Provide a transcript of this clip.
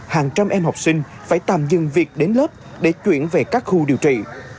hàng trăm em học sinh phải tạm dừng việc đến lớp để chuyển về các khu điều trị